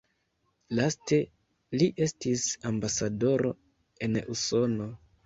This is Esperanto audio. Laste li estis ambasadoro en Usono.